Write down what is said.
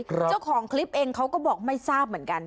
เจ้าของคลิปเองเขาก็บอกไม่ทราบเหมือนกัน